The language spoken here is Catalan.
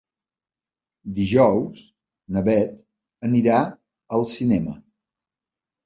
Dijous na Beth anirà al cinema.